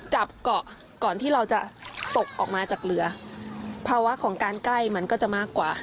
จับเกาะก่อนที่เราจะตกออกมาจากเรือภาวะของการใกล้มันก็จะมากกว่า